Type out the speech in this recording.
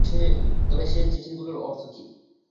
তবে সে চিঠিগুলার অর্থ কী।